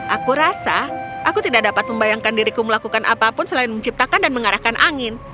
aku rasa aku tidak dapat membayangkan diriku melakukan apapun selain menciptakan dan mengarahkan angin